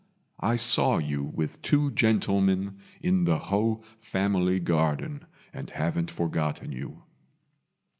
I saw you with two gentlemen in the Ho family garden, and haven't forgotten you."